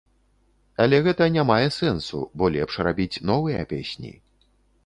Але гэта не мае сэнсу, бо лепш рабіць новыя песні.